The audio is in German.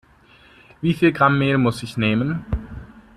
Wie viel Gramm Mehl muss ich nehmen?